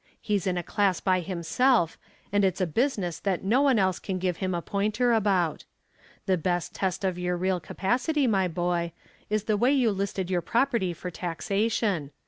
He's in a class by himself, and it's a business that no one else can give him a pointer about. The best test of your real capacity, my boy, is the way you listed your property for taxation.